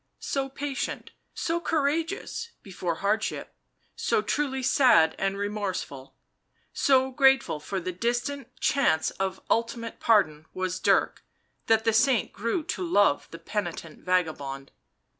So patient, so courageous before hardship, so truly sad and remorseful, so grate ful for the distant chance of ultimate pardon was Dirk, that the saint grew to love the penitent vagabond.